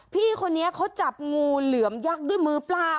พี่คนนี้เขาจับงูเหลือมยักษ์ด้วยมือเปล่า